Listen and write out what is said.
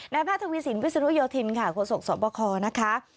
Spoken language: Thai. นายพระธุวิสินวิสุโนโยธินค่ะโขสกศพคนะคะ